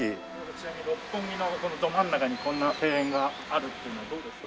ちなみに六本木のこのど真ん中にこんな庭園があるっていうのはどうですか？